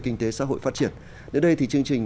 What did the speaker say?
kinh tế xã hội phát triển đến đây thì chương trình